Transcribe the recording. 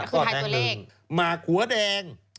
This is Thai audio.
ก็แทงหนึ่งหม่าขัวแดง